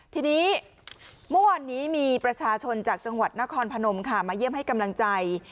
ทีนี้เมื่อวานนี้มีประชาชนจากจังหวัดนครพนมค่ะมาเยี่ยมให้กำลังใจ